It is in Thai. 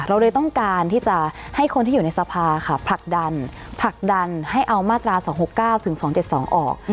เราเลยต้องการที่จะให้คนที่อยู่ในสภาค่ะผลักดันผลักดันให้เอามาตรา๒๖๙ถึง๒๗๒ออก